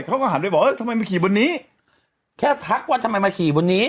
เขาก็หันไปบอกเออทำไมมาขี่บนนี้แค่ทักว่าทำไมมาขี่บนนี้